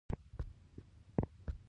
متلونه د ولسي ادبياتو خورا .